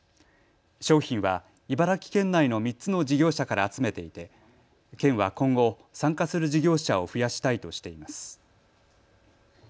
商品は茨城県内の３つの事業者から集めていて県は今後、参加する事業者を増やしたいとしています。